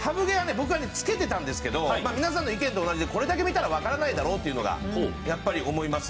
僕はねつけてたんですけど皆さんの意見と同じでこれだけ見たらわからないだろうっていうのがやっぱり思います。